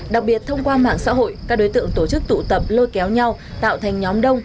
đặc biệt thông qua mạng xã hội các đối tượng tổ chức tụ tập lôi kéo nhau tạo thành nhóm đông